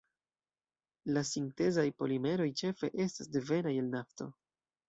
La sintezaj polimeroj ĉefe estas devenaj el nafto.